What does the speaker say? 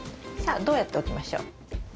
さあどうやって置きましょう？